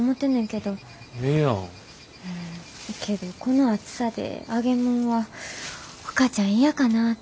けどこの暑さで揚げもんはお母ちゃん嫌かなって。